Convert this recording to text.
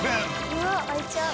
うわっ開いちゃう。